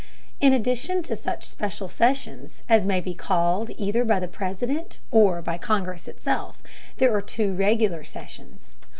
In addition to such special sessions as may be called either by the President or by Congress itself, there are two regular sessions.